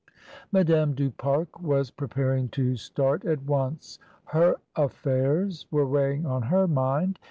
Madame du Pare was preparing to start at once, lier "affairs" were weighing on her mind.